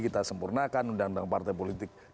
kita sempurnakan undang undang partai politik